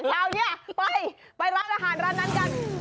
เอาเนี่ยไปไปร้านอาหารร้านนั้นกัน